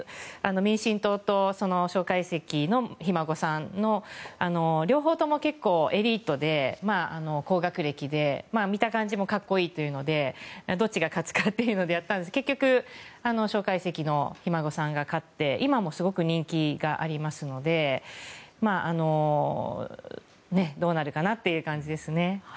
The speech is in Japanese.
民進党と蒋介石のひ孫さんの両方とも結構、エリートで高学歴で見た感じも格好いいというのでどっちが勝つかっていうのでやったんですが結局、蒋介石のひ孫さんが勝って今もすごく人気がありますのでどうなるかなという感じですね。